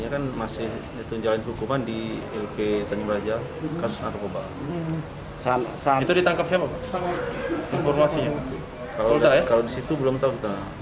kalau disitu belum tahu